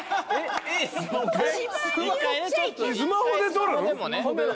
スマホで撮るん？